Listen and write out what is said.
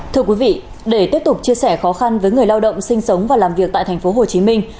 thưa quý vị để tiếp tục chia sẻ khó khăn với người lao động sinh sống và làm việc tại thành phố hồ chí minh